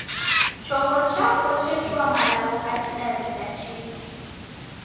Chongo chapo chechua malagho gha Kidaw'ida chiki.